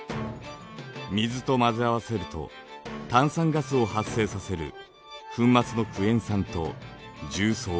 水と混ぜ合わせると炭酸ガスを発生させる粉末のクエン酸と重曹。